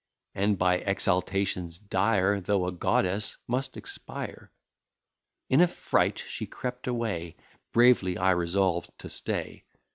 And by exhalations dire, Though a goddess, must expire. In a fright she crept away, Bravely I resolved to stay.